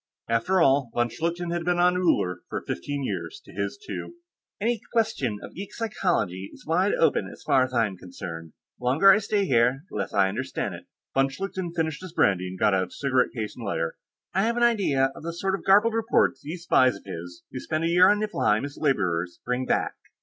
After all, von Schlichten had been on Uller for fifteen years, to his two. "Any question of geek psychology is wide open as far as I'm concerned; the longer I stay here, the less I understand it." Von Schlichten finished his brandy and got out cigarette case and lighter. "I have an idea of the sort of garbled reports these spies of his who spend a year on Niflheim as laborers bring back."